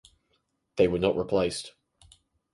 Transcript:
They were not replaced.